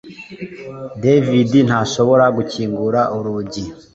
David ntashobora gukingura urugi